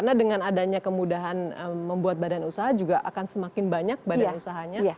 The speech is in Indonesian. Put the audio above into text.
karena dengan adanya kemudahan membuat badan usaha juga akan semakin banyak badan usahanya